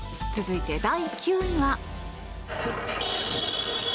続いて、第９位は。